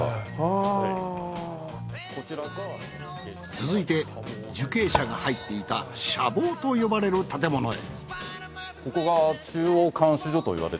続いて受刑者が入っていた舎房と呼ばれる建物へ。